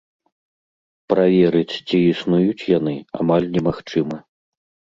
Праверыць, ці існуюць яны, амаль немагчыма.